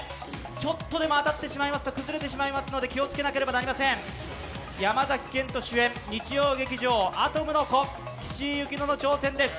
ちょっとでも当たってしまいますと、崩れてしまうので、気をつけていかなければいけません山崎賢人主演日曜劇場「アトムの童」、岸井ゆきのの挑戦です。